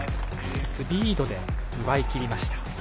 １つリードで奪いきりました。